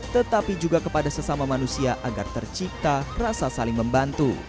tetapi juga kepada sesama manusia agar tercipta rasa saling membantu